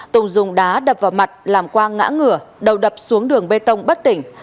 tùng dùng đá đập vào mặt làm quang ngã ngửa đầu đập xuống đường bê tông bất tỉnh